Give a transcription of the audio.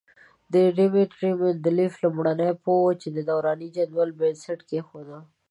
دیمتري مندلیف لومړنی پوه وو چې د دوراني جدول بنسټ یې کېښود.